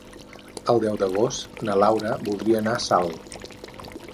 El deu d'agost na Laura voldria anar a Salt.